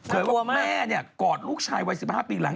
ว่าแม่กอดลูกชายวัย๑๕ปีหลัง